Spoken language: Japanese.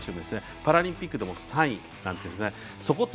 パラリンピックでも３位になっています。